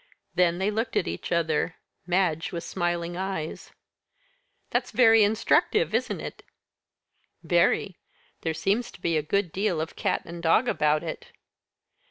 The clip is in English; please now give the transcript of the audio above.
Then they looked at each other Madge with smiling eyes. "That's very instructive, isn't it?" "Very. There seems to be a good deal of cat and dog about it."